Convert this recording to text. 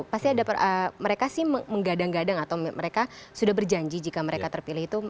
pasti ada mereka sih menggadang gadang atau mereka sudah berjanji jika mereka terpilih itu